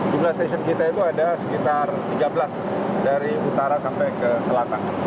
jumlah stasiun kita itu ada sekitar tiga belas dari utara sampai ke selatan